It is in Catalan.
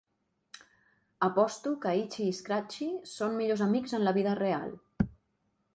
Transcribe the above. Aposto que Itchy i Scratchy són millors amics en la vida real.